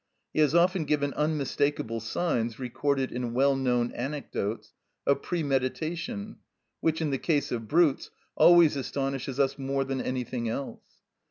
He has often given unmistakable signs, recorded in well known anecdotes, of premeditation, which, in the case of brutes, always astonishes us more than anything else.